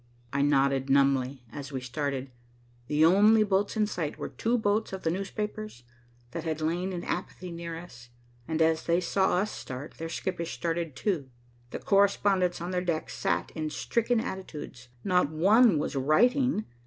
I nodded numbly, and we started. The only boats in sight were two boats of the newspapers, that had lain in apathy near us. As they saw us start, their skippers started, too. The correspondents on their decks sat in stricken attitudes. Not one was writing.